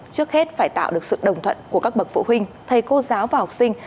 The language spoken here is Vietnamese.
trước hết phải tạo được sự đồng thuận của các bậc phụ huynh thầy cô giáo và học sinh